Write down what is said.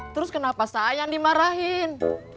terus kenapa sayang dimarahin